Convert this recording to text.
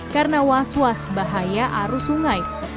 karena was was bahaya arus sungai